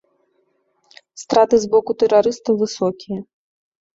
Страты з боку тэрарыстаў высокія.